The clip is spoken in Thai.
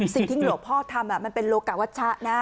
สิ่งทิ้งหลวงพ่อทำน่ะมันเป็นโรคกะวชะนะ